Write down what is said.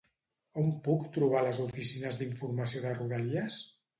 On puc trobar les oficines d'informació de Rodalies?